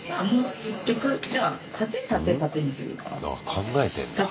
考えてんだ。